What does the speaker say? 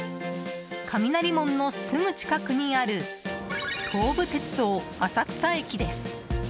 雷門のすぐ近くにある東武鉄道浅草駅です。